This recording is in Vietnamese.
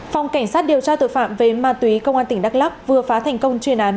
phòng cảnh sát điều tra tội phạm về ma túy công an tỉnh đắk lắk vừa phá thành công chuyên án